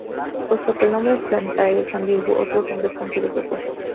Puesto que el nombre Plantae es ambiguo, otros nombres han sido propuestos.